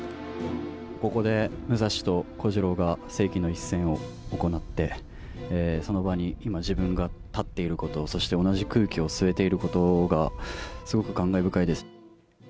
ここで武蔵と小次郎が世紀の一戦を行って、その場に今、自分が立っていること、そして同じ空気を吸えていることが、すごく感慨深いです。